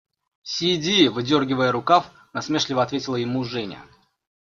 – Сиди! – выдергивая рукав, насмешливо ответила ему Женя.